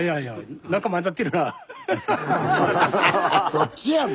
そっちやん！